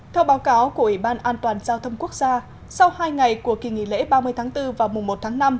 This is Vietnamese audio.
theo báo cáo của ủy ban an toàn giao thông quốc gia sau hai ngày của kỳ nghỉ lễ ba mươi tháng bốn và mùa một tháng năm